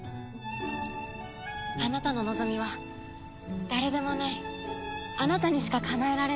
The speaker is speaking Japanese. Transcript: あなたの望みは誰でもないあなたにしかかなえられない。